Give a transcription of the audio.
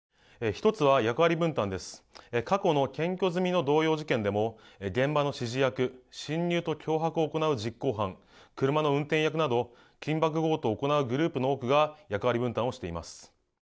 過去の検挙済みの同様事件でも現場の指示役侵入と脅迫を行う実行犯車の運転役など緊縛強盗を行うグループの多くが役割分担をしています。